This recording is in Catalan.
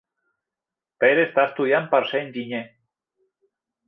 Pere està estudiant per ser enginyer.